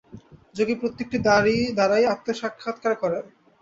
যোগী প্রত্যেকটি দ্বারাই আত্মসাক্ষাৎকার করেন।